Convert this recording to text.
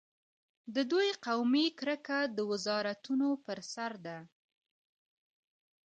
د دوی قومي کرکه د وزارتونو پر سر ده.